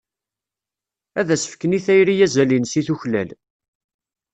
Ad as-fken i tayri azal-ines i tuklal.